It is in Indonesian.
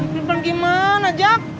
pelim pelan gimana jak